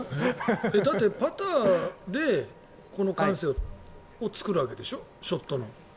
だってパターでこの感性を作るわけでしょショットの。